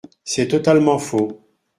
C’est totalement faux.